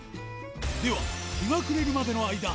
では、日が暮れるまでの間、